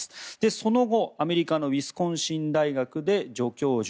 その後アメリカのウィスコンシン大学で助教授。